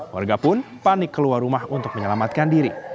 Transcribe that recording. warga pun panik keluar rumah untuk menyelamatkan diri